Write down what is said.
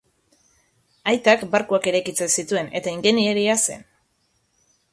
Aitak barkuak eraikitzen zituen eta ingeniaria zen.